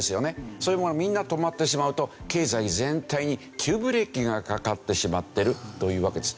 そういうものがみんな止まってしまうと経済全体に急ブレーキがかかってしまってるというわけです。